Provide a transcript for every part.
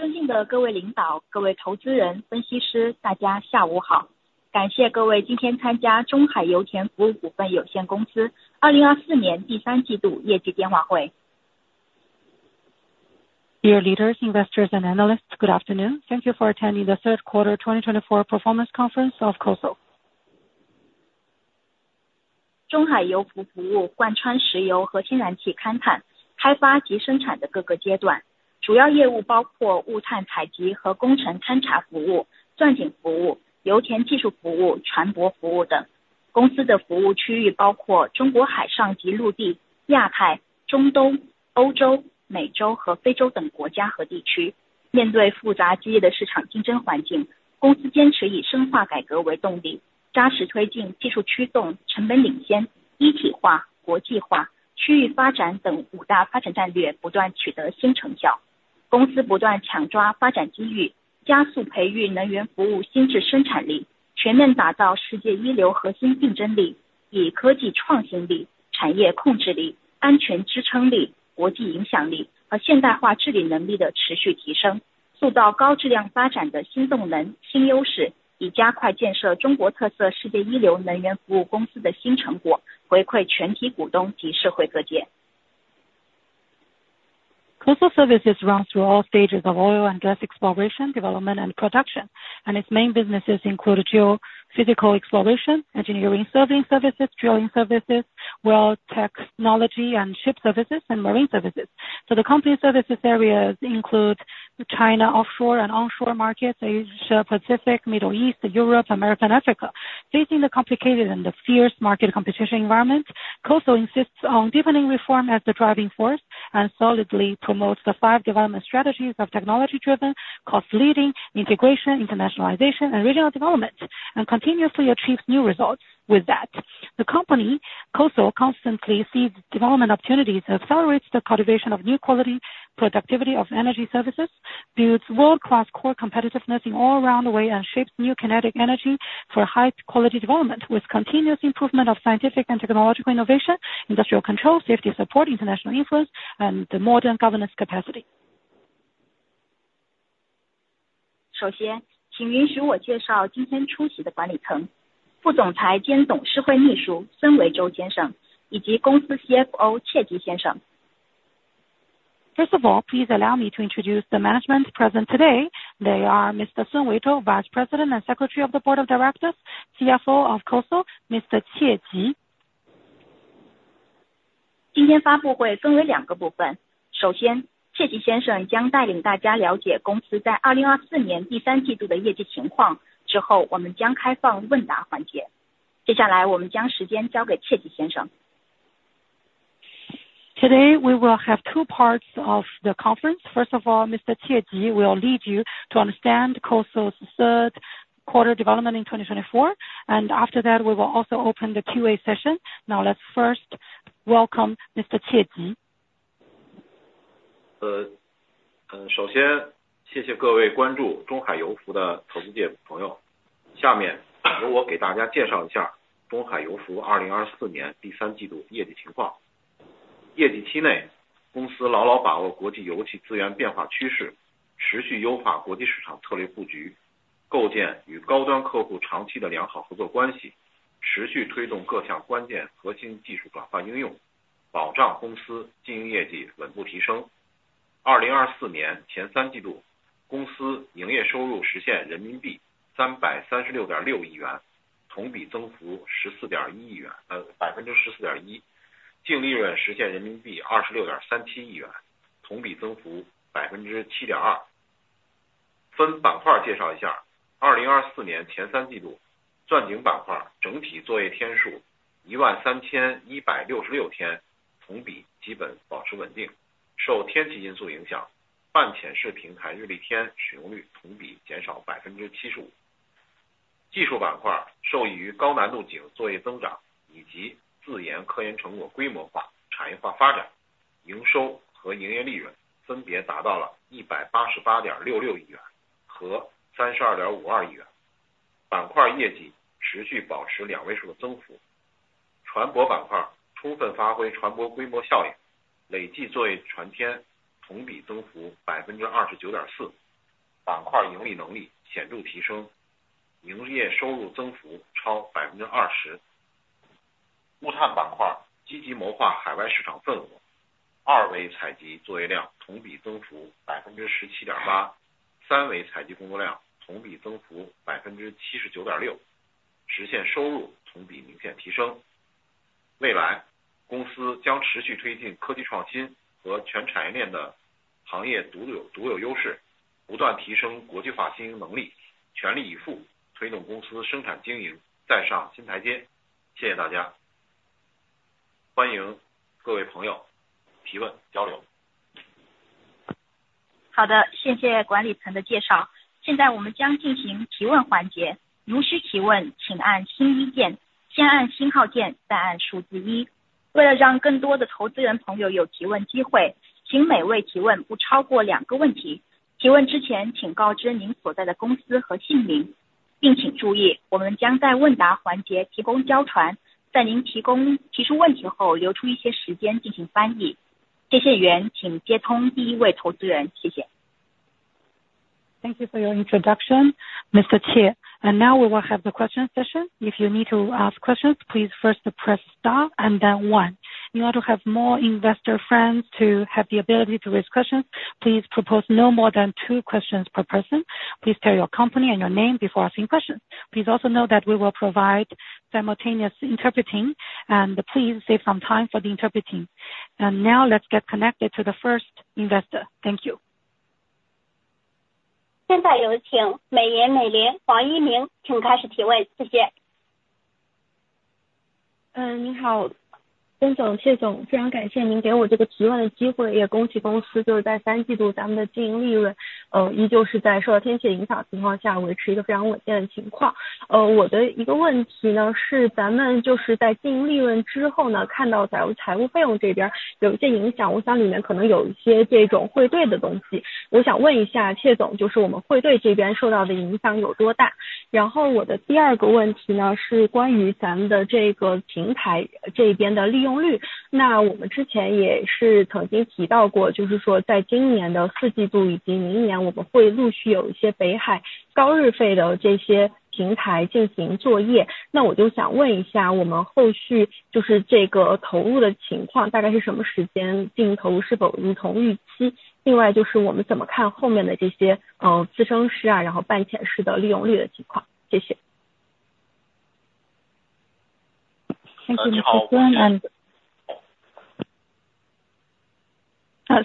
Dear leaders, investors, and analysts. Good afternoon. Thank you for attending the third quarter 2024 performance conference of COSL. COSL services runs through all stages of oil and gas exploration, development and production. And its main businesses include geophysical exploration, engineering services, drilling services, well technology and ship services and marine services. So the company service areas include China offshore and onshore markets, Asia Pacific, Middle East, Europe, America and Africa. Facing the complicated and fierce market competition environment, COSL insists on deepening reform as the driving force and solidly promotes the five development strategies of technology driven, cost leading, integration, internationalization, and regional development, and continuously achieves new results. With that, the company, COSL constantly sees development opportunities and accelerates the cultivation of new quality productivity of energy services builds world-class core competitiveness in all around the way, and shapes new kinetic energy for high quality development, with continuous improvement of scientific and technological innovation, industrial control, safety support, international influence and modern governance capacity. First, please allow me to introduce the management attending today, Vice President and Board Secretary Mr. Sun Weizhou, as well as the company's CFO Mr. Xie Ji. First of all, please allow me to introduce the management present today. They are Mr. Sun Weizhou, Vice President and Secretary of the Board of Directors, CFO of COSL, Mr. Xie Ji. 今天发布会分为两个部分，首先，切吉先生将带领大家了解公司在2024年第三季度的业绩情况，之后我们将开放问答环节。接下来我们将时间交给切吉先生。segment overall operating days 13,166 days, year-on-year basically maintained stable. Affected by weather factors, semi-submersible platform calendar day utilization rate year-on-year decreased 75%. Technical segment benefited from high difficulty well operations growth as well as self-developed R&D results scale industrialization development, revenue and operating profit respectively reached CNY 18.866 billion and CNY 3.252 billion, segment performance continued to maintain double-digit increase. Vessels segment fully played vessels scale effect, cumulative operating ship-days year-on-year increase 29.4%, segment profitability ability significantly elevated, operating revenue increase exceeded 20%. Geophysical exploration segment actively planned overseas market share, 2D acquisition operating volume year-on-year increase 17.8%, 3D acquisition work volume year-on-year increase 79.6%, realized revenue year-on-year significantly elevated. In the future, the company will continue to advance technology innovation and full industry chain's industry unique, unique advantages, continuously elevate internationalization operating ability, go all out to promote company production operating to ascend new step again. Thank you everyone! Welcome all friends to ask questions and exchange. 好的，谢谢管理层的介绍。现在我们将进行提问环节，如需提问，请按星一键，先按星号键，再按数字一。为了让更多的投资人朋友有提问机会，请每位提问不超过两个问题，提问之前请告知您所在的公司的和姓名。... 注意，我们将在问答环节提供交传，在您提供提出问题后，留出一些时间进行翻译。接线员请接通第一位投资人，谢谢。Thank you for your introduction, Mr. Qie. And now we will have the question session. If you need to ask questions, please first press star and then one. In order to have more investor friends to have the ability to raise questions, please propose no more than two questions per person. Please tell your company and your name before asking questions. Please also know that we will provide simultaneous interpreting, and please save some time for the interpreting. And now let's get connected to the first investor. Thank you. 现在有请美林黄一鸣，请开始提问，谢谢。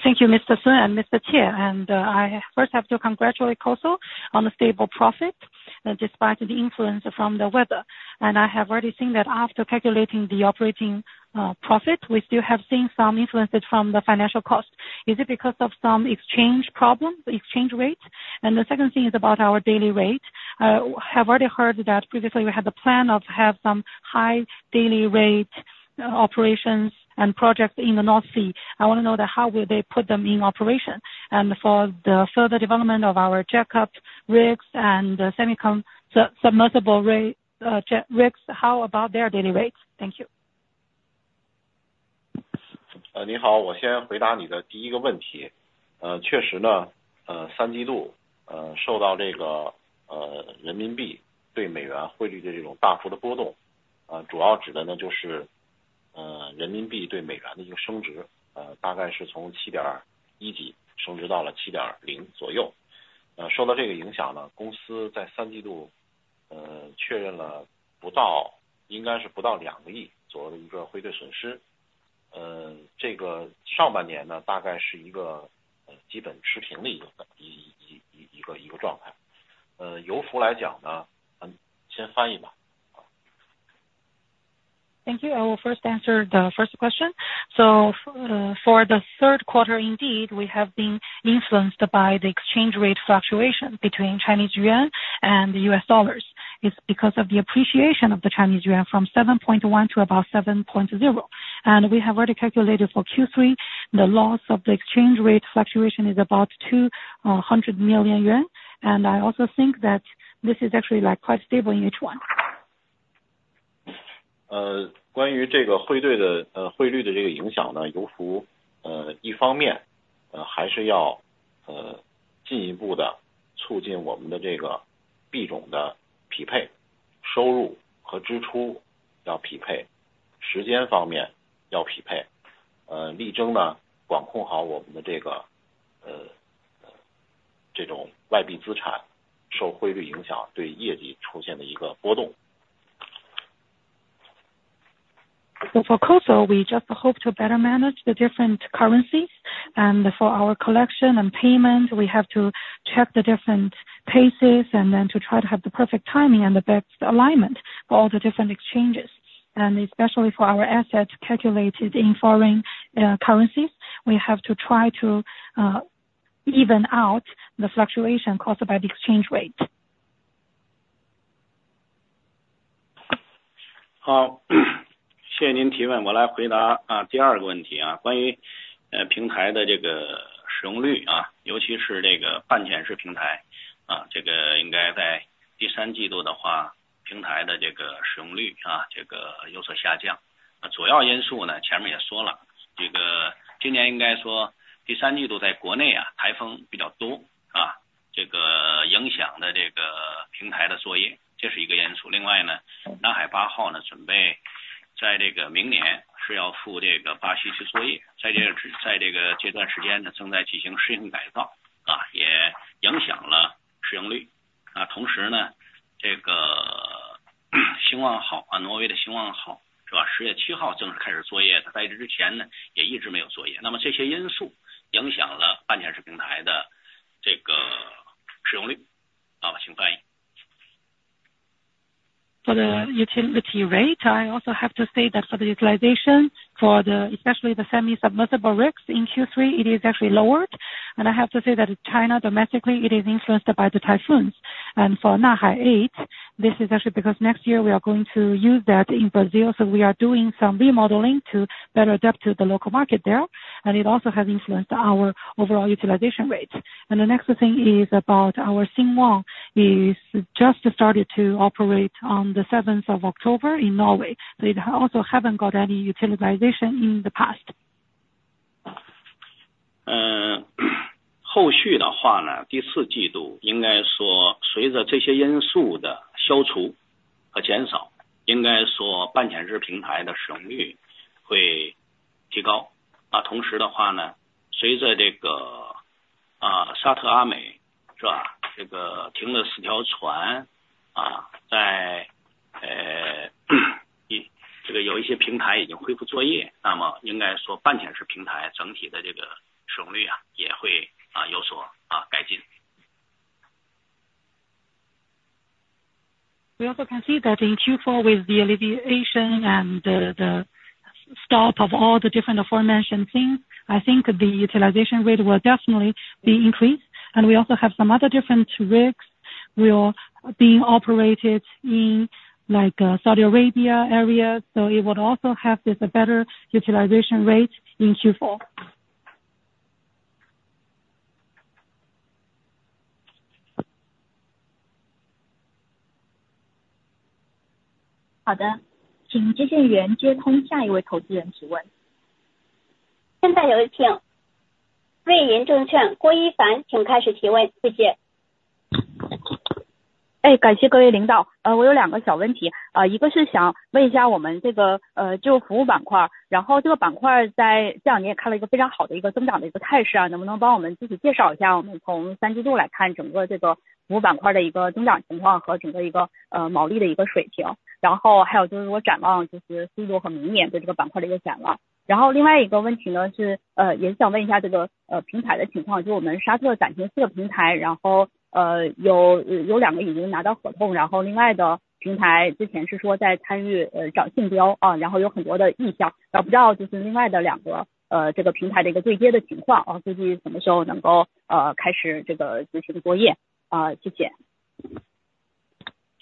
Thank you, Mr. Sun and Mr. Xie, and I first have to congratulate COSL on the stable profit, despite the influence from the weather. I have already seen that after calculating the operating profit, we still have seen some influences from the financial cost. Is it because of some exchange problems, exchange rates? The second thing is about our daily rate. I have already heard that previously we had the plan of have some high daily rate operations and projects in the North Sea. I want to know that how will they put them in operation? For the further development of our jackup rigs and semi-submersible rigs, how about their daily rates? Thank you. Hello, I will first answer your first question. Indeed, in the third quarter, affected by this RMB to USD exchange rate's large fluctuation, mainly referring to RMB to USD's an appreciation, roughly from 7.21-something appreciated to 7.20 around. Affected by this, the company in the third quarter confirmed less than, should be less than around CNY 200 million's a foreign exchange loss. This first half year, roughly is a basically flat's a kind, a state. For oil services, let's translate first. Thank you. I will first answer the first question. So, for the third quarter, indeed, we have been influenced by the exchange rate fluctuation between Chinese yuan and US dollars, is because of the appreciation of the Chinese yuan from 7.1 to about 7.0. And we have already calculated for Q3, the loss of the exchange rate fluctuation is about 200 million yuan. And I also think that this is actually like quite stable in H1. 关于这个汇兑的，汇率的这个影响呢，油服，一方面，还是要进一步地促进我们的这个币种的匹配，收入和支出要匹配，时间方面要匹配。力争呢，管控好我们的这个，这种外币资产受汇率影响对业绩出现的一个波动。So for COSL, we just hope to better manage the different currencies, and for our collection and payment, we have to check the different paces and then to try to have the perfect timing and the best alignment for all the different exchanges, and especially for our assets calculated in foreign currencies. We have to try to even out the fluctuation caused by the exchange rate. For the utilization rate, I also have to say that for the utilization, especially the semi-submersible rigs in Q3, it is actually lowered. I have to say that in China domestically, it is influenced by the typhoons. For Nanhai No. 8, this is actually because next year we are going to use that in Brazil, so we are doing some remodeling to better adapt to the local market there, and it also has influenced our overall utilization rates. The next thing is about our COSLProspector. It is just started to operate on the seventh of October in Norway. They also haven't got any utilization in the past. We also can see that in Q4 with the alleviation and the stop of all the different aforementioned things, I think the utilization rate will definitely be increased, and we also have some other different rigs. We are being operated in like Saudi Arabia areas, so it would also have this a better utilization rate in Q4. 好的，请接线员接通下一位投资者提问。现在有请为研证券郭一凡，请开始提问，谢谢。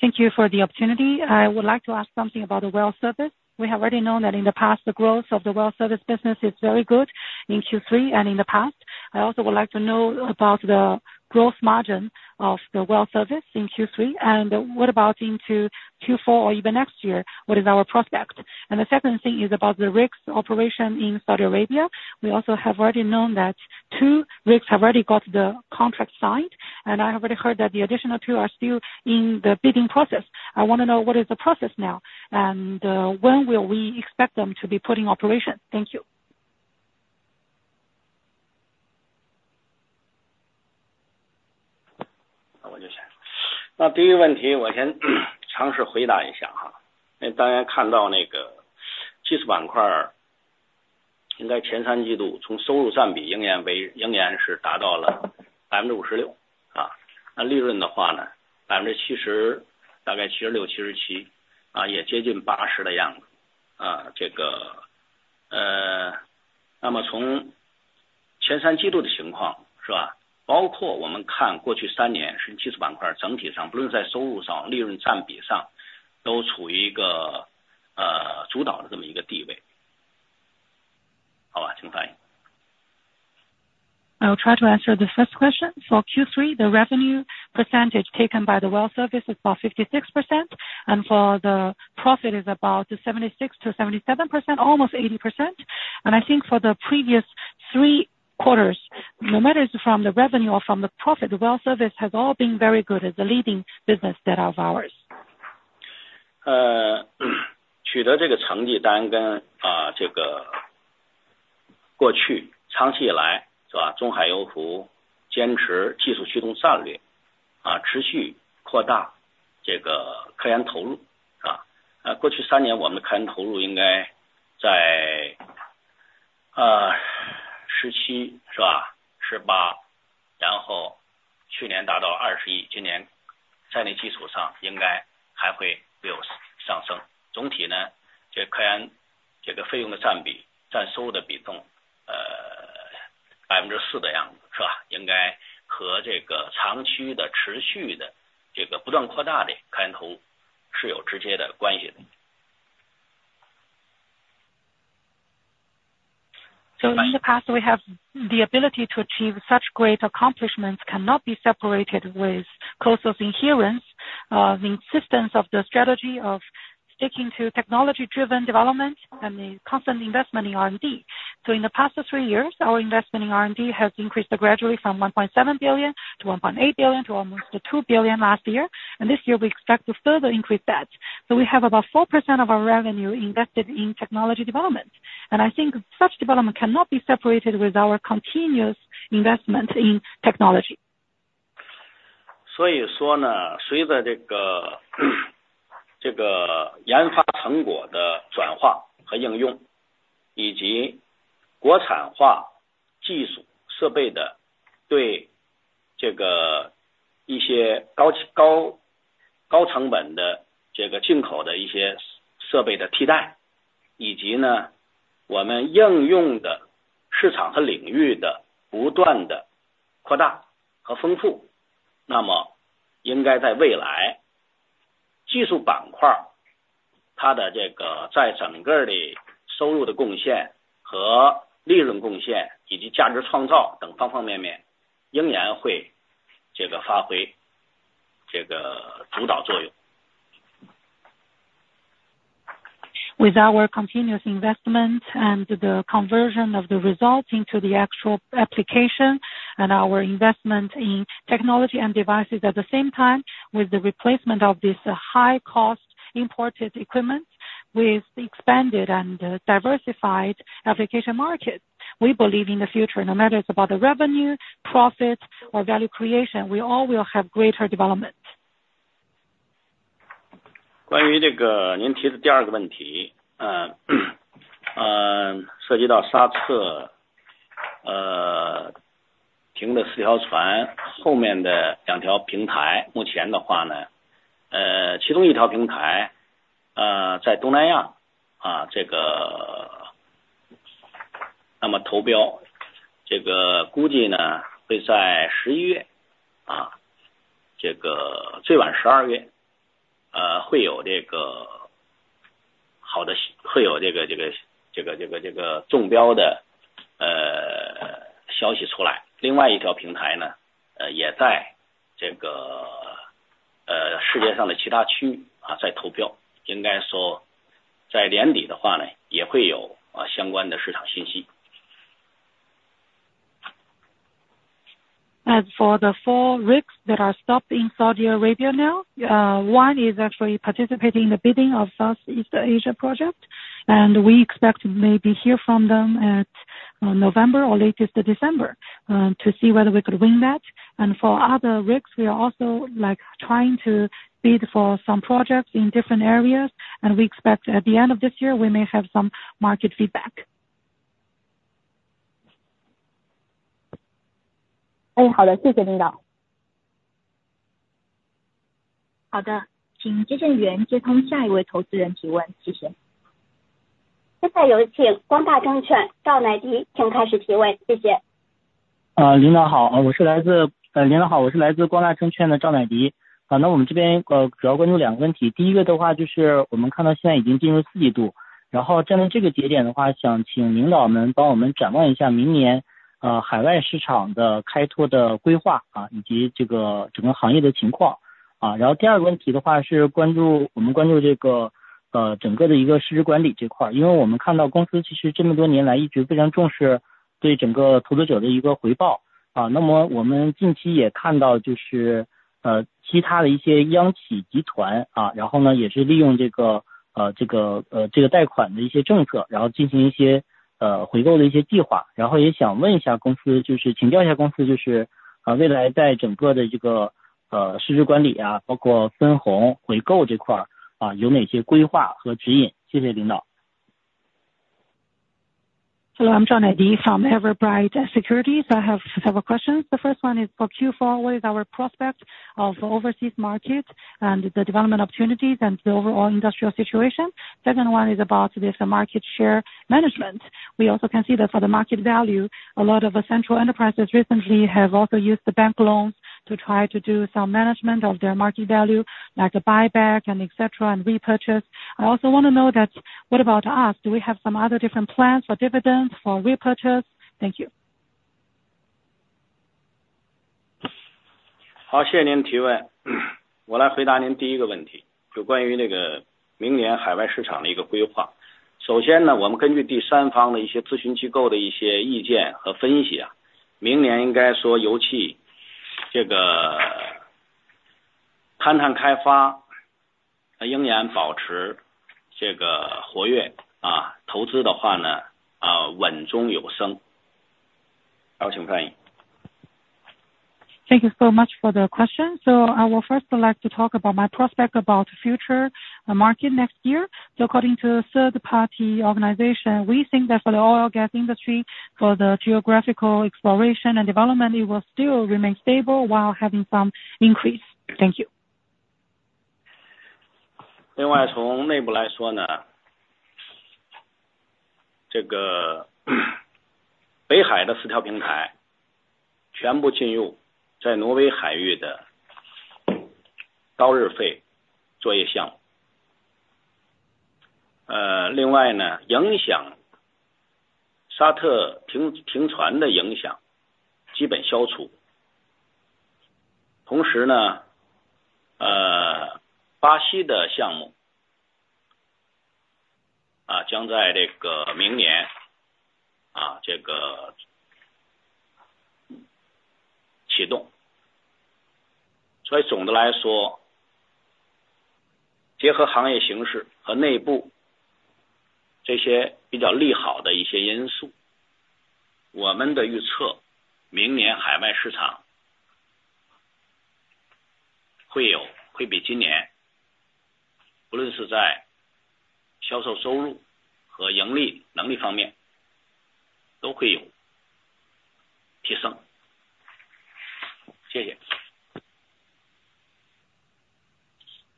Thank you for the opportunity. I would like to ask something about the Well Services. We have already known that in the past, the growth of the Well Services business is very good in Q3 and in the past. I also would like to know about the gross margin of the Well Services in Q3, and what about into Q4 or even next year? What is our prospect? And the second thing is about the rigs operation in Saudi Arabia. We also have already known that two rigs have already got the contract signed, and I have already heard that the additional two are still in the bidding process. I want to know what is the process now, and when will we expect them to be put in operation? Thank you. I'll try to answer the first question. For Q3, the revenue percentage taken by the Well Services is about 56%, and for the profit is about 76%-77%, almost 80%. I think for the previous three quarters, no matter from the revenue or from the profit, Well Services has all been very good as the leading business that of ours. So in the past, we have the ability to achieve such great accomplishments cannot be separated with close adherence of the insistence of the strategy of sticking to technology driven development and the constant investment in R&D. So in the past three years, our investment in R&D has increased gradually from 1.7 billion to 1.8 billion, to almost 2 billion last year, and this year we expect to further increase that. So we have about 4% of our revenue invested in technology development, and I think such development cannot be separated with our continuous investment in technology. With our continuous investment and the conversion of the results into the actual application, and our investment in technology and devices, at the same time, with the replacement of this high cost imported equipment, with expanded and diversified application market, we believe in the future, no matter it's about the revenue, profit or value creation, we all will have greater development. As for the four rigs that are stopped in Saudi Arabia now, one is actually participating in the bidding of Southeast Asia project, and we expect maybe hear from them at November or latest December, to see whether we could win that. And for other rigs, we are also like trying to bid for some projects in different areas, and we expect at the end of this year, we may have some market feedback. 哎，好的，谢谢领导。好的，请接线员接通下一位投资者提问，谢谢。现在有请光大证券赵乃迪，请开始提问，谢谢。啊，领导好，我是来自... Hello, I'm Zhao Naidi from Everbright Securities. I have several questions. The first one is for Q4, what is our prospects of overseas markets and the development opportunities and the overall industrial situation? Second one is about this market value management. We also can see that for the market value, a lot of the central enterprises recently have also used the bank loans to try to do some management of their market value, like the buyback and etc., and repurchase. I also want to know that what about us? Do we have some other different plans for dividends, for repurchase? Thank you. Thank you so much for the question. I will first like to talk about my prospect about future market next year. According to third party organization, we think that for the oil and gas industry, for the geophysical exploration and development, it will still remain stable while having some increase. Thank you.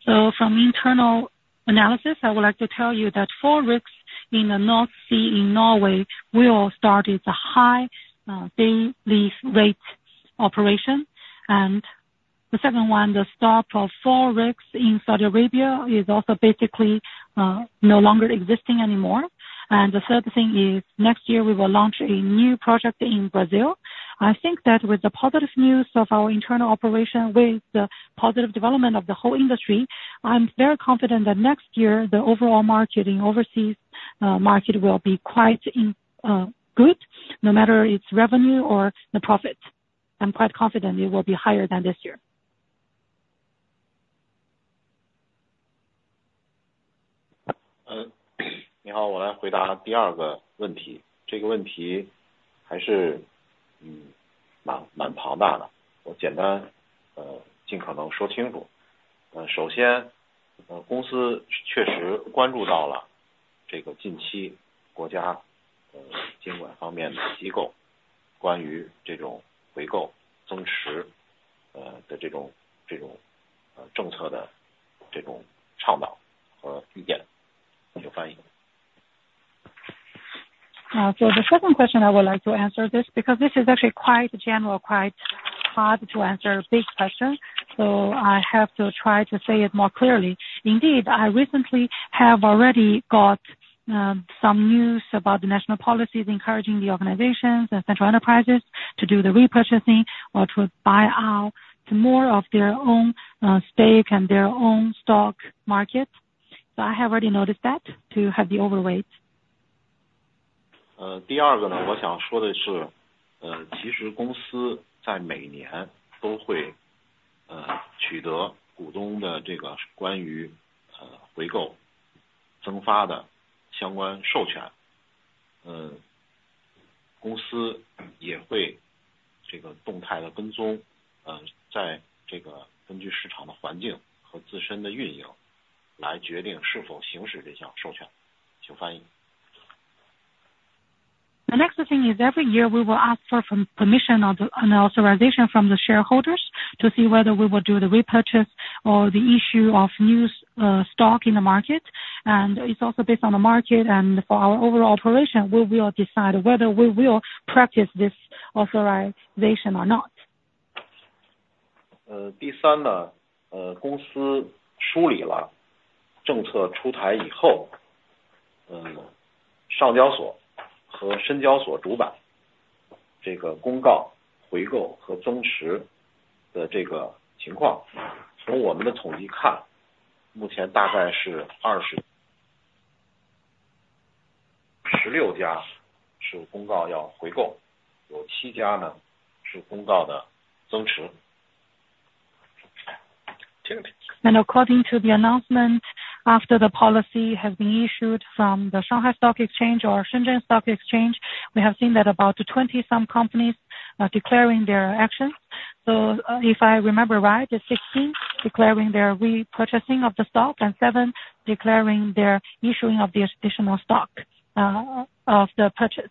From internal analysis, I would like to tell you that four rigs in the North Sea in Norway all started the high day rate operation, and the second one, the stock of four rigs in Saudi Arabia is also basically no longer existing anymore. The third thing is, next year we will launch a new project in Brazil. I think that with the positive news of our internal operation, with the positive development of the whole industry, I'm very confident that next year the overall market in overseas market will be quite good, no matter its revenue or the profit. I'm quite confident it will be higher than this year. So the second question, I would like to answer this, because this is actually quite general, quite hard to answer a big question, so I have to try to say it more clearly. Indeed, I recently have already got some news about the national policies encouraging the organizations and central enterprises to do the repurchasing or to buy out to more of their own stake and their own stock market. So I have already noticed that to have the overweight. 第二个呢，我想说的是，其实公司每年都会取得股东的这个关于回购增发的相关授权。公司也会这个动态地跟踪，在这个根据市场的环境和自身的运营来决定是否行使这项授权。请翻译。The next thing is, every year we will ask for from permission and authorization from the shareholders to see whether we will do the repurchase or the issue of new stock in the market. And it's also based on the market and for our overall operation, we will decide whether we will practice this authorization or not. 第三，公司梳理了政策出台后，上交所和深交所主板这个公告、回购和增持的这个情况。从我们的统计看，目前大概是二十六家，是公告要回购，有七家呢，是公告的增持。请翻译。According to the announcement, after the policy has been issued from the Shanghai Stock Exchange or Shenzhen Stock Exchange, we have seen that about 20-some companies are declaring their actions. If I remember right, 16 declaring their repurchasing of the stock and 7 declaring their issuing of the additional stock of the purchase.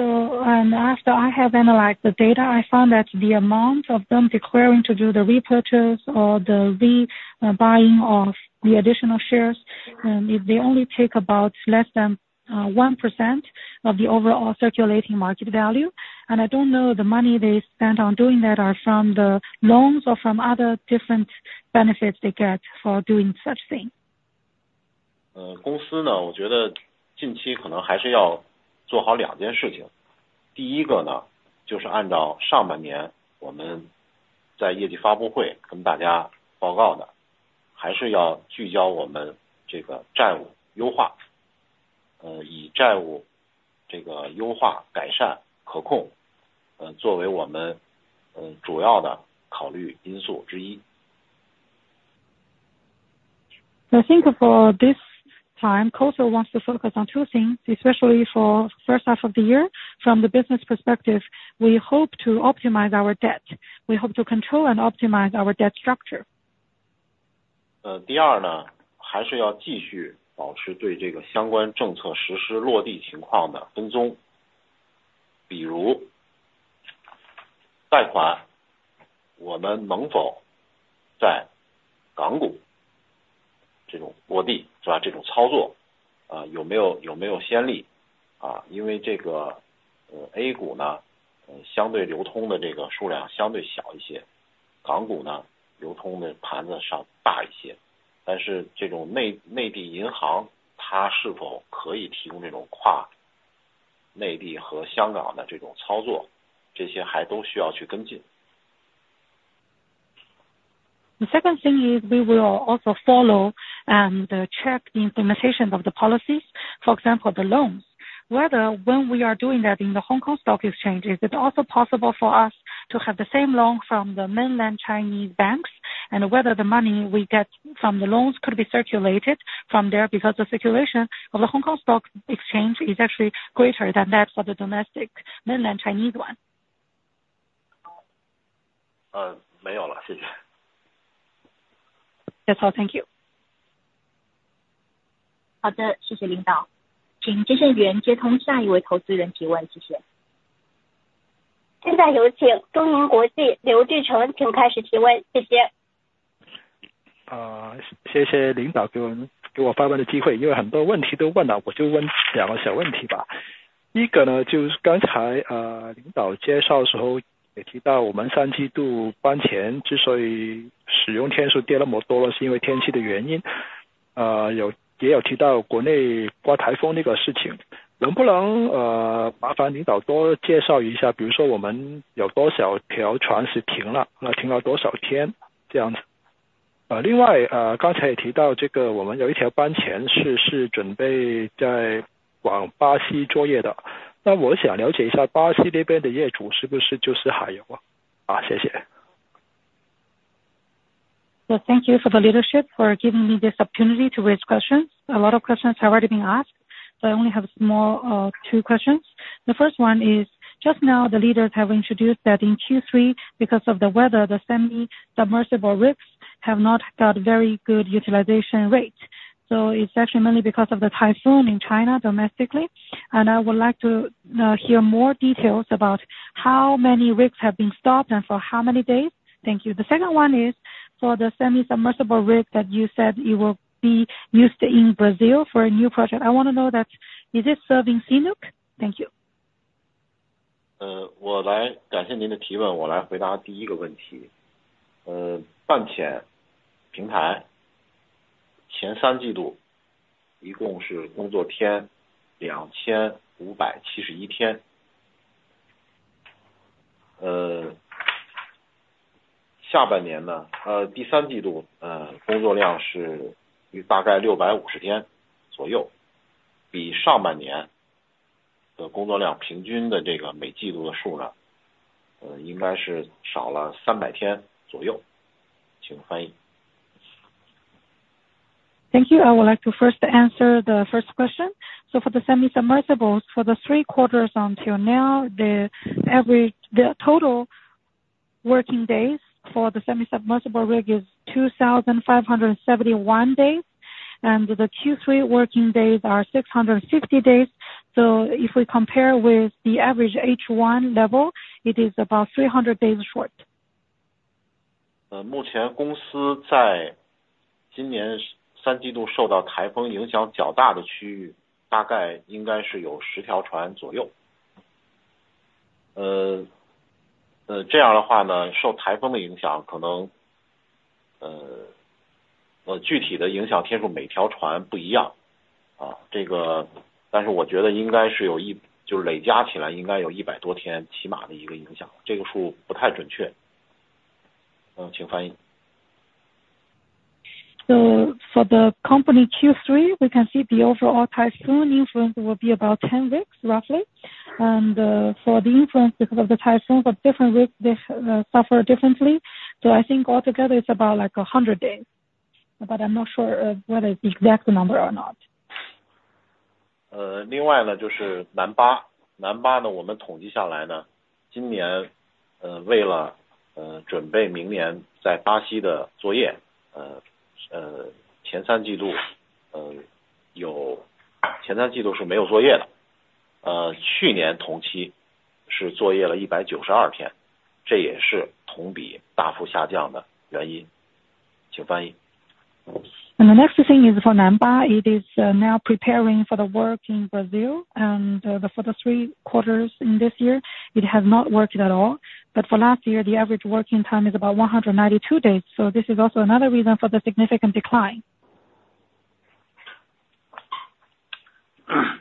After I have analyzed the data, I found that the amount of them declaring to do the repurchase or the re-buying of the additional shares, and they only take about less than 1% of the overall circulating market value. And I don't know the money they spent on doing that are from the loans or from other different benefits they get for doing such thing. 公司呢，我觉得近期可能还是要做好两件事，第一个呢，就是按照上半年我们在业绩发布会跟大家报告的，还是要聚焦我们这个债务优化，以债务这个优化、改善、可控，作为我们的主要考虑因素之一。I think for this time, COSL wants to focus on two things, especially for first half of the year. From the business perspective, we hope to optimize our debt. We hope to control and optimize our debt structure. 第二呢，还是要继续保持对这个相关政策实施落地情况的跟踪。比如，贷款，我们能否在港股这种落地，是吧，这种操作，有没有先例？因为这个，A股呢，相对流通的这个数量相对小一些，港股呢，流通的盘子要大一些，但是内地银行它是否可以提供这种跨内地和香港的这种操作，这些还都需要去跟进。The second thing is we will also follow and check the implementation of the policies. For example, the loans, whether when we are doing that in the Hong Kong Stock Exchange, is it also possible for us to have the same loan from the mainland Chinese banks?... and whether the money we get from the loans could be circulated from there, because the situation of the Hong Kong Stock Exchange is actually greater than that for the domestic mainland Chinese one. 没有了，谢谢。That's all, thank you. 好的，谢谢领导。请接线员接通下一位投资者提问，谢谢。现在有请中银国际，刘志成，请开始提问，谢谢。Well, thank you for the leadership for giving me this opportunity to raise questions. A lot of questions have already been asked, so I only have small two questions. The first one is just now the leaders have introduced that in Q3, because of the weather, the semi-submersible rigs have not got very good utilization rates, so it's actually mainly because of the typhoon in China domestically. And I would like to hear more details about how many rigs have been stopped and for how many days? Thank you. The second one is for the semi-submersible rig that you said it will be used in Brazil for a new project. I want to know that is it serving CNOOC? Thank you. Let me thank you for your question. Let me answer the first question. The semi-submersible platforms in the first three quarters totaled 2,571 working days. In the second half of the year, the third quarter, the workload is about 650 days or so, compared to the average quarterly workload in the first half of the year, it should be about 300 days less. Please translate. Thank you, I would like to first answer the first question, so for the semi-submersibles for the three quarters until now, the total working days for the semi-submersible rig is 2,571 days, and the Q3 working days are 650 days. So if we compare with the average H1 level, it is about 300 days short. Currently, the regions where the company was greatly affected by typhoons in the third quarter of this year are roughly about 10 ships. In that case, affected by the typhoon's impact, possibly... the specific number of impact days is different for each ship. But I think it should be that, adding up, there should be at least more than 100 days of impact. This number is not very accurate. Please translate. So for the company Q3, we can see the overall typhoon influence will be about ten weeks roughly, and for the influence because of the typhoon for different rigs, they suffer differently. So I think altogether it's about like a hundred days, but I'm not sure whether it's the exact number or not. Additionally, it's Nanhai No. 8. For Nanhai No. 8, we calculated that this year, in order to prepare for next year's operations in Brazil, the first three quarters had no operations. Last year same period had operations for 192 days. This is also the reason for the significant year-over-year decline. The next thing is for Nanhai No. 8, it is now preparing for the work in Brazil, and for the three quarters in this year, it has not worked at all, but for last year, the average working time is about 192 days, so this is also another reason for the significant decline.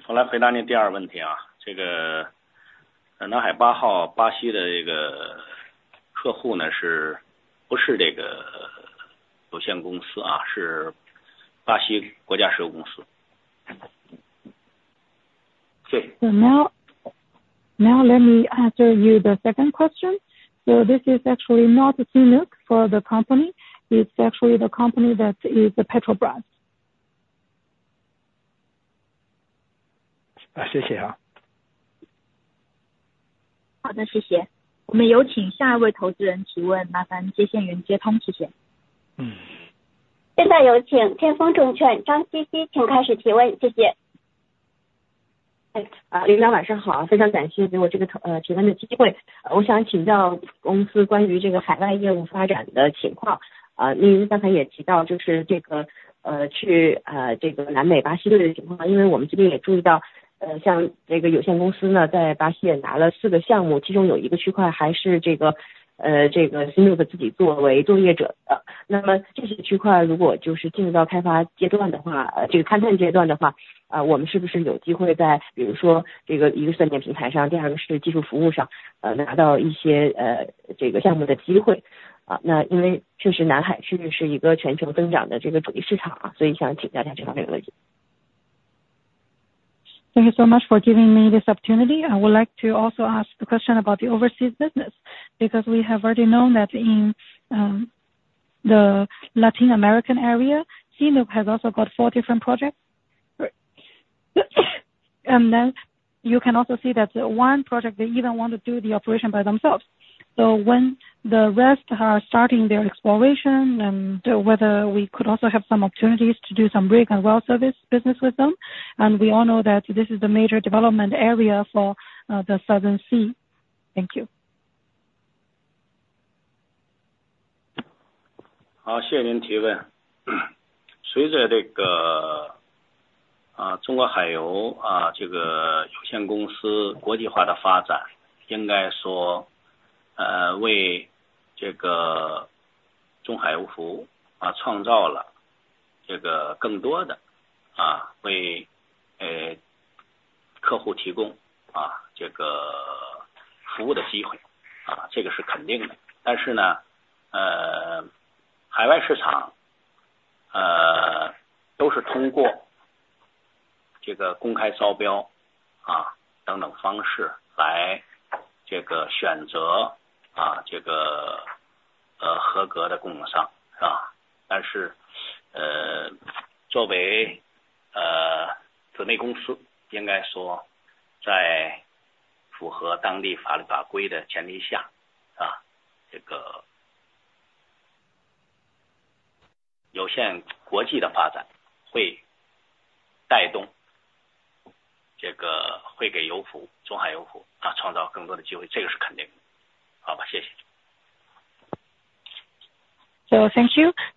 我来回答您第二个问题啊，这个南海八号，巴西的这个客户呢，是不是这个有限公司啊，是巴西国家石油公司。对。Now let me answer your second question. This is actually not CNOOC for the company. It's actually the company that is Petrobras. 啊，谢谢啊。好的，谢谢。我们有请下一位投资者提问，麻烦接线员接通，谢谢。嗯。现在有请天风证券张希希，请开始提问，谢谢。...Thank you so much for giving me this opportunity. I would like to also ask the question about the overseas business, because we have already known that in the Latin American area, CNOOC has also got four different projects. And then you can also see that one project they even want to do the operation by themselves. So when the rest are starting their exploration, and whether we could also have some opportunities to do some rig and well service business with them? And we all know that this is the major development area for the seven seas. Thank you. 谢谢您提问。随着中国海油有限公司国际化的发展，应该说，为中海油服创造了更多的为客户提供服务的机会，这个是肯定的。但是呢，海外市场，都是通过这个公开招标，等等方式来选择这个合格的供应商，是吧？但是，作为子公司，应该说在符合当地法律法规的前提下，有限公司国际的发展会带动，这个会给油服，中海油服，创造更多的机会，这个是肯定的。好吧，谢谢。Thank you.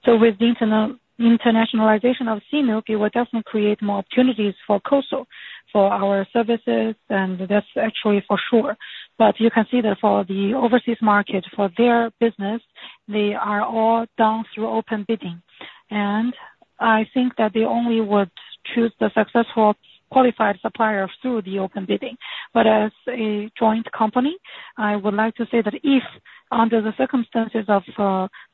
With the internationalization of CNOOC, it will definitely create more opportunities for COSL, for our services, and that's actually for sure. But you can see that for the overseas market, for their business, they are all done through open bidding, and I think that they only would choose the successful qualified suppliers through the open bidding. But as a joint company, I would like to say that if under the circumstances of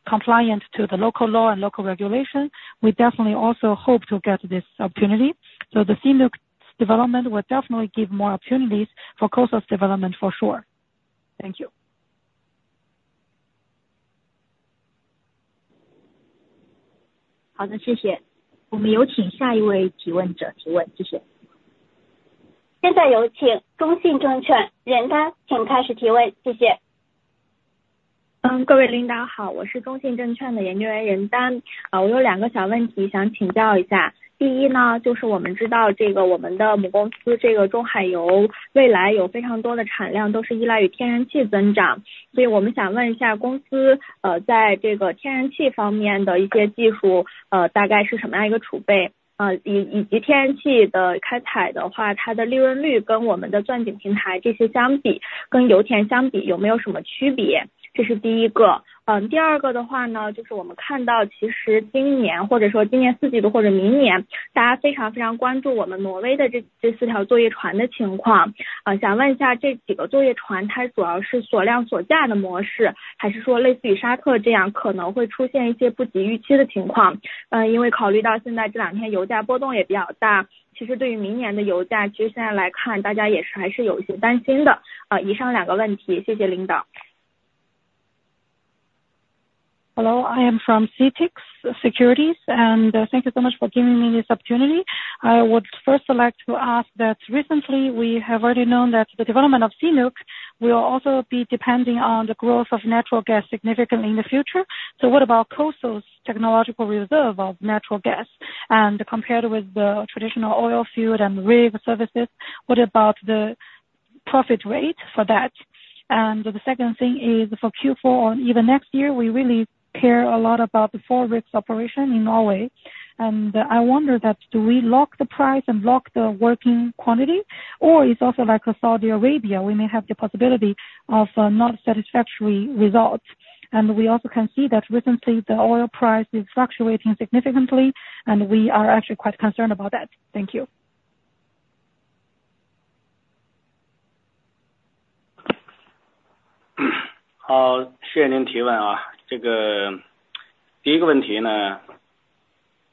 compliant to the local law and local regulation, we definitely also hope to get this opportunity. The CNOOC development will definitely give more opportunities for COSL's development, for sure. Thank you. 好的，谢谢。我们有请下一位提问者提问，谢谢。现在有请中信证券，任丹，请开始提问，谢谢。I am from CITIC Securities, and thank you so much for giving me this opportunity. I would first like to ask that recently we have already known that the development of CNOOC will also be depending on the growth of natural gas significantly in the future, so what about COSL's technological reserve of natural gas? And compared with the traditional oil field and rig services, what about the profit rate for that? And the second thing is for Q4 or even next year, we really care a lot about the four rigs operation in Norway, and I wonder that do we lock the price and lock the working quantity? Or it's also like Saudi Arabia, we may have the possibility of not satisfactory results. And we also can see that recently the oil price is fluctuating significantly, and we are actually quite concerned about that. Thank you. 好，谢谢您提问啊。这个第一个问题呢，这个实际上这个对于，我们，油田服务业，油，原油的勘探开发和天然气的勘探开发技术啊，它是一样的，啊，这个在我们这个领域没有什么太多的区别。所以在这个问题上呢，啊，不存在着这个，这个过多的挑战啊，或者是技术方面的问题，好吧，这是第一个问题。谢谢。Thank you for the question. For the first question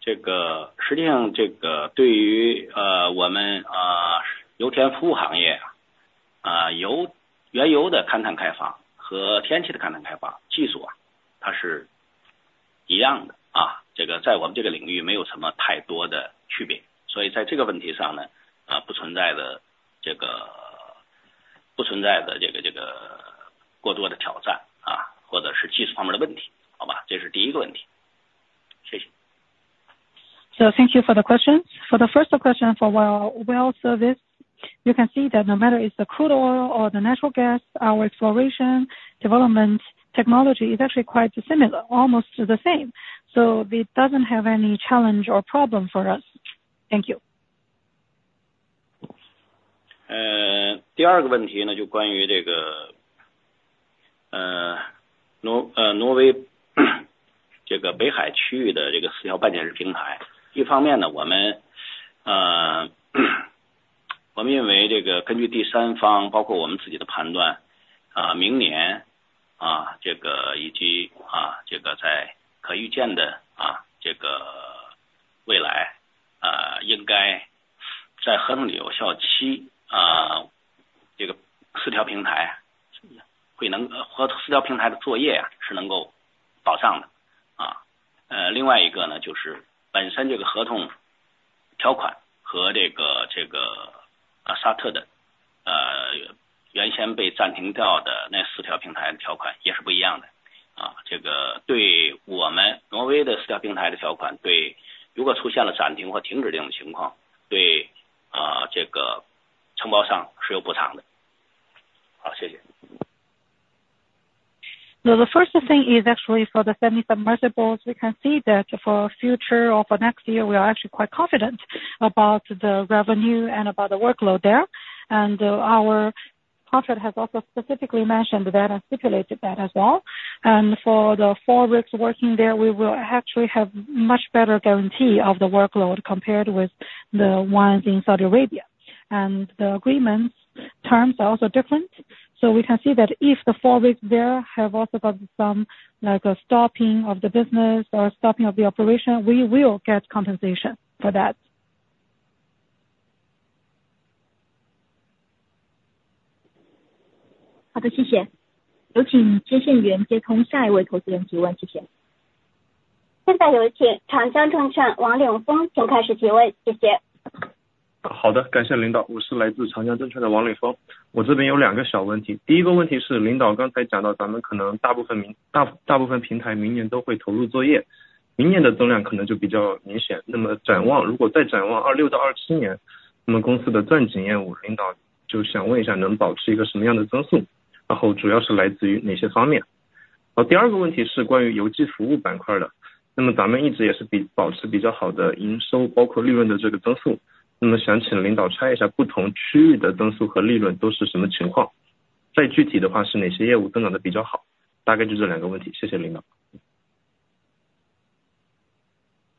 for well service, you can see that no matter is the crude oil or the natural gas, our exploration, development, technology is actually quite similar, almost the same. It doesn't have any challenge or problem for us. Thank you. The first thing is actually for the semi-submersible, we can see that for future or for next year, we are actually quite confident about the revenue and about the workload there, and our contract has also specifically mentioned that and stipulated that as well, and for the four rigs working there, we will actually have much better guarantee of the workload compared with the ones in Saudi Arabia, and the agreement terms are also different, so we can see that if the four rigs there have also got some, like a stopping of the business or stopping of the operation, we will get compensation for that. 好的，谢谢。有请接线员接通下一位投资者提问，谢谢。现在有请长江证券王柳峰开始提问，谢谢。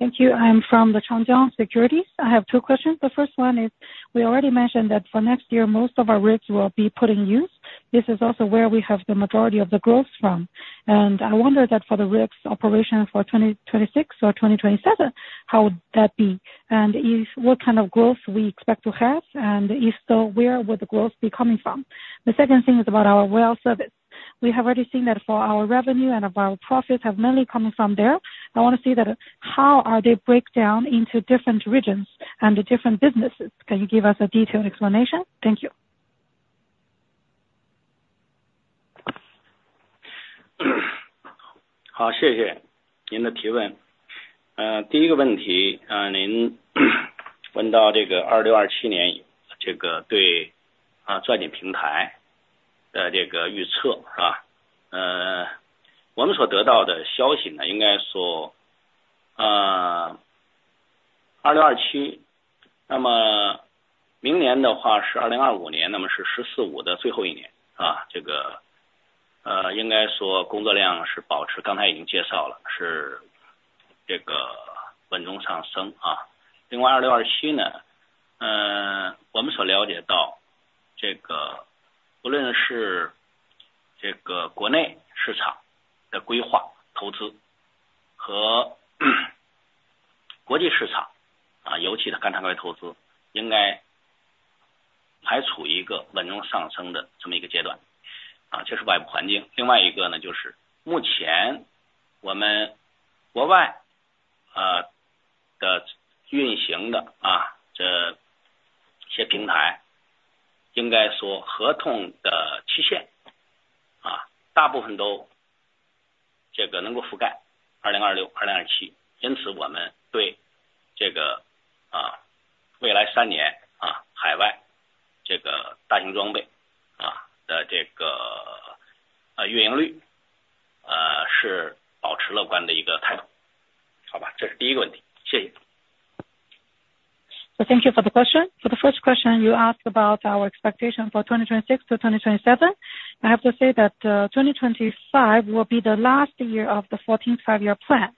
Thank you, I'm from the Changjiang Securities. I have two questions. The first one is, we already mentioned that for next year, most of our rigs will be put in use. This is also where we have the majority of the growth from, and I wonder that for the rigs operation for twenty twenty-six or twenty twenty-seven, how would that be, and is what kind of growth we expect to have, and if so, where would the growth be coming from? The second thing is about our well service. We have already seen that for our revenue and of our profits have mainly coming from there. I want to see that how are they break down into different regions and the different businesses? Can you give us a detailed explanation? Thank you. Thank you for the question. For the first question you asked about our expectation for twenty twenty-six to twenty twenty-seven. I have to say that, twenty twenty-five will be the last year of the fourteenth five year plan,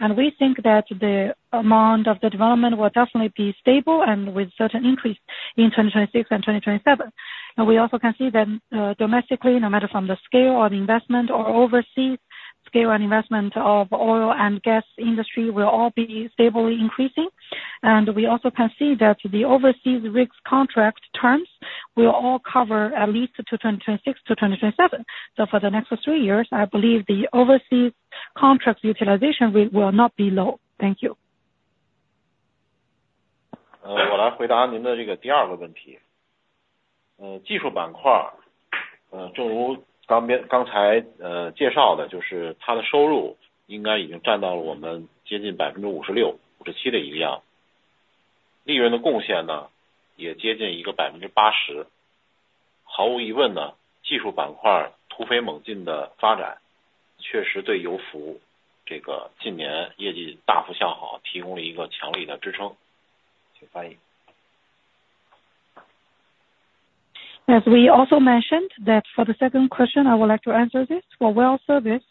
and we think that the amount of the development will definitely be stable and with certain increase in twenty twenty-six and twenty twenty-seven. And we also can see that, domestically, no matter from the scale or the investment or overseas scale and investment of oil and gas industry will all be stably increasing. And we also can see that the overseas rigs contract terms will all cover at least to twenty twenty-six to twenty twenty-seven. So for the next three years, I believe the overseas contract utilization rate will not be low. Thank you. Let me answer your second question. The technical sector, as just introduced, its revenue should already account for nearly 56%-57% of ours. The profit contribution is also nearly 80%. Undoubtedly, the technical sector's rapid development has indeed provided strong support for the significant improvement in this year's oilfield services performance. As we also mentioned that for the second question, I would like to answer this for well service.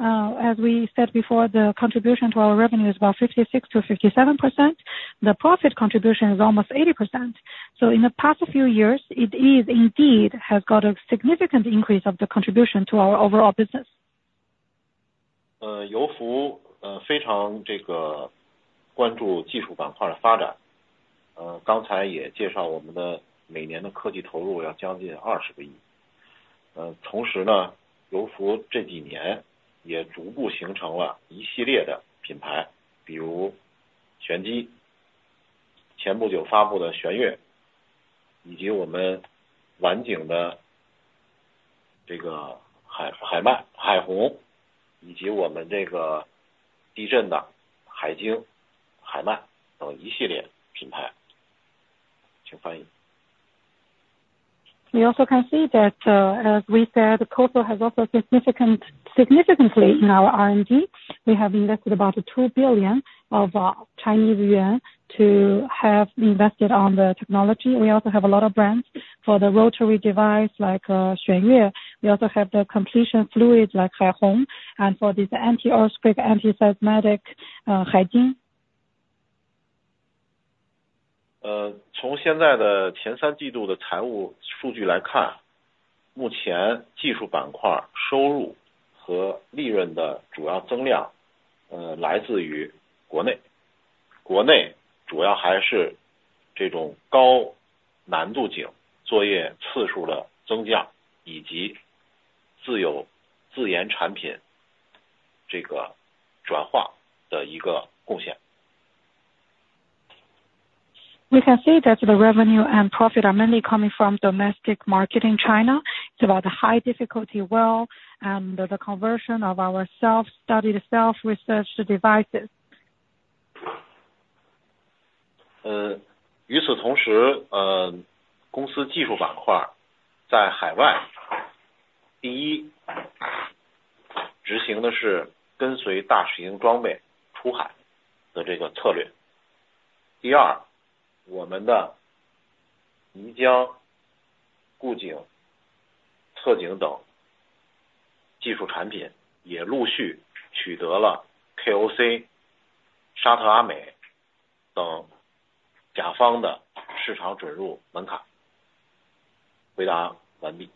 As we said before, the contribution to our revenue is about 56%-57%. The profit contribution is almost 80%, so in the past few years, it is indeed has got a significant increase of the contribution to our overall business. Oilfield services very much pay attention to the development of the technology sector. Just now we also introduced our annual technology investment is nearly CNY 2 billion. At the same time, oilfield services these few years also gradually formed a series of brands, for example Xuanji, the Xuanyue released not long ago, as well as our well completion this Hai, Haiman, Haihong, and our this seismic Haijing, Haimai etc. a series of brands. We also can see that, as we said, COSL has significantly in our R&D. We have invested about CNY 2 billion on the technology. We also have a lot of brands for the rotary device like Xuanji. We also have the completion fluids like Haihong and for this anti-earthquake, anti-seismic, Haijing. 从现在的 前三季度的财务数据来看，目前技术板块收入和利润的主要增量，来自于国内，国内主要还是这种高难度井作业次数的增加，以及自有自研产品这个转化的一个贡献。We can see that the revenue and profit are mainly coming from domestic market in China. It's about the high difficulty well, and the conversion of our self-studied self-research devices. At the same time, the company's technical sector overseas, first, is executing the strategy of following large equipment going overseas. Second, our mud, cementing, logging and other technical products have also successively obtained market access thresholds from clients such as KOC, Saudi Aramco, etc. Answer complete.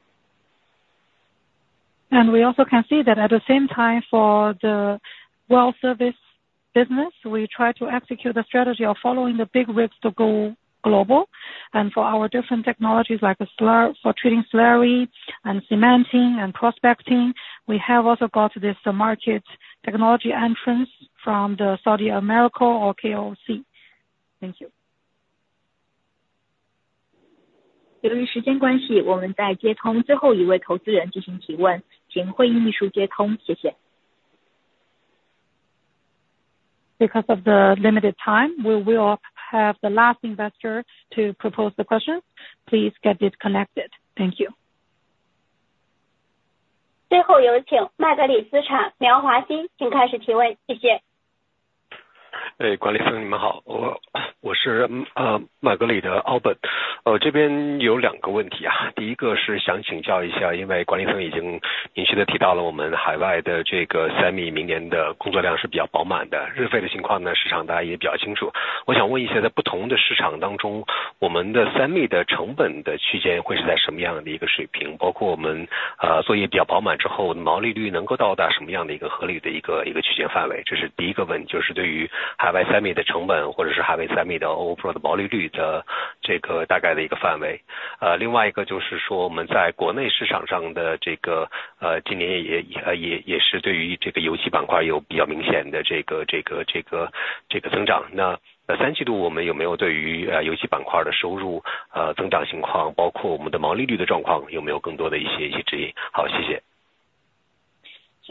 And we also can see that at the same time, for the well service business, we try to execute the strategy of following the big rigs to go global, and for our different technologies like slurry for treating slurry and cementing and prospecting. We have also got this market entry from Saudi Aramco or KOC. Thank you. 由于时间关系，我们再接通最后一位投资者进行提问，请会议秘书接通，谢谢。Because of the limited time, we will have the last investor to propose the question. Please get disconnected. Thank you.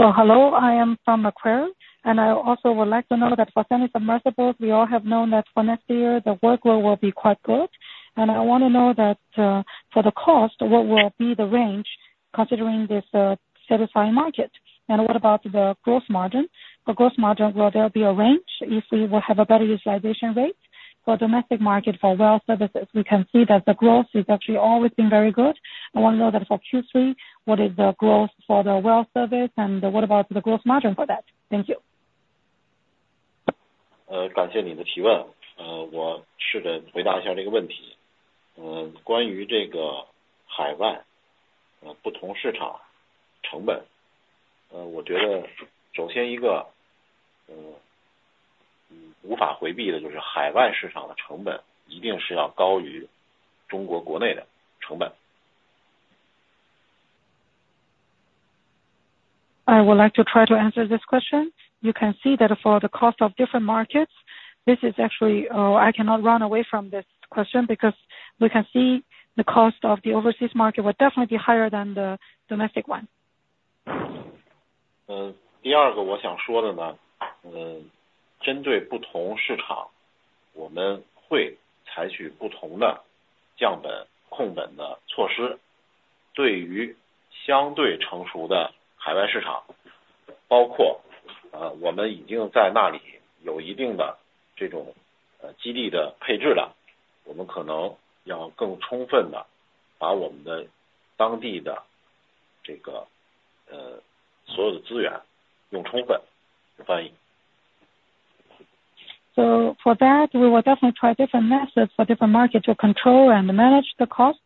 hello. I am from Macquarie, and I also would like to know that for semi-submersibles, we all have known that for next year, the workload will be quite good, and I want to know that for the cost, what will be the range considering this satisfying market? And what about the gross margin? For gross margin, will there be a range if we will have a better utilization rate for domestic market for well services, we can see that the growth is actually always been very good. I want to know that for Q3, what is the growth for the well service, and what about the gross margin for that? Thank you. 感谢你的提问，我试着回答一下这个问题。关于这个海外，不同市场成本，我觉得首先一个，无法回避的就是海外市场的成本一定要高于中国国内的成本。I would like to try to answer this question. You can see that for the cost of different markets, this is actually, I cannot run away from this question, because we can see the cost of the overseas market will definitely be higher than the domestic one. The second thing I want to say is, for different markets, we will take different cost reduction and control measures. For relatively mature overseas markets, including those where we already have certain base configurations there, we may need to more fully utilize our local resources. So for that, we will definitely try different methods for different markets to control and manage the cost.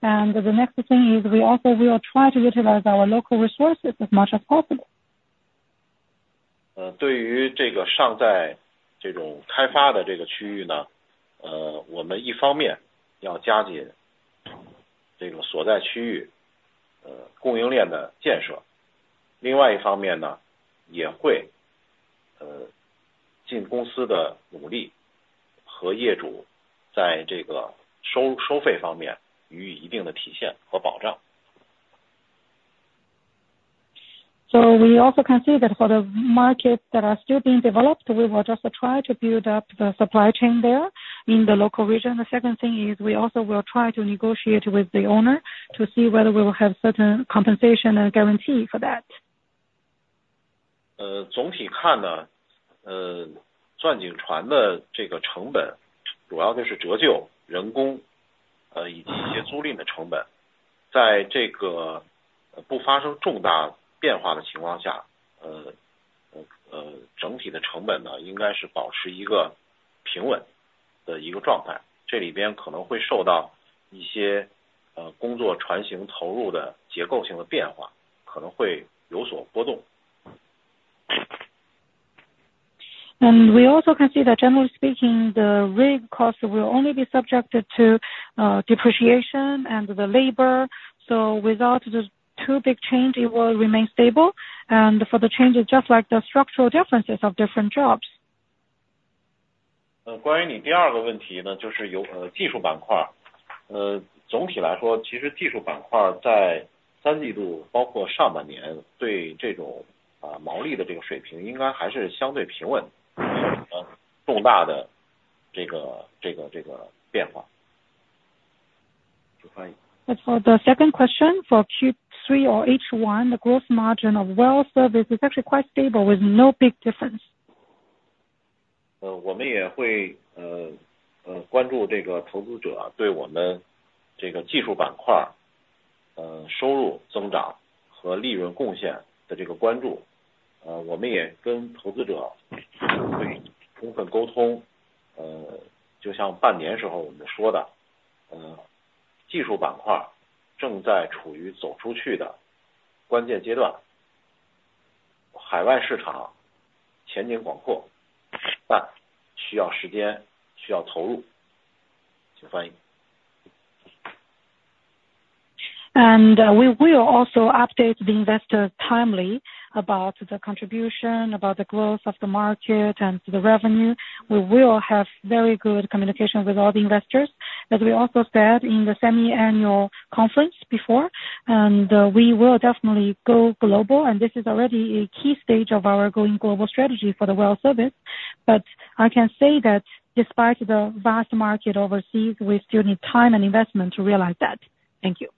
And the next thing is we also will try to utilize our local resources as much as possible. So we also can see that for the markets that are still being developed, we will just try to build up the supply chain there in the local region. The second thing is, we also will try to negotiate with the owner to see whether we will have certain compensation and guarantee for that. 总体看呢，钻井船的这个成本，主要就是折旧、人工，以及一些租赁的成本。在这个不发生重大变化的情况下，整体的成本呢，应该是一个平稳的一个状态，这里边可能会受到一些，工作船型投入的结构性变化，可能会有所波动。We also can see that generally speaking, the rig cost will only be subjected to depreciation and the labor. Without the two big change, it will remain stable. For the changes, just like the structural differences of different jobs. Regarding your second question, it's the technical sector. Overall, actually, the technical sector in the third quarter, including the first half of the year, for this kind of gross margin level should still be relatively stable, major change. As for the second question, for Q3 or H1, the gross margin of well service is actually quite stable, with no big difference. We will also pay attention to this investor's attention to our technical sector, revenue growth and profit contribution. We also fully communicate with investors. Just like we said half a year ago, the technical sector is in the key stage of going out. Overseas market prospects are broad, but it requires time, requires investment. And we will also update the investors timely about the contribution, about the growth of the market and the revenue. We will have very good communication with all the investors, as we also said in the semiannual conference before, and we will definitely go global, and this is already a key stage of our going global strategy for the well service. But I can say that despite the vast market overseas, we still need time and investment to realize that. Thank you.